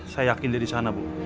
saya yakin dia disana bu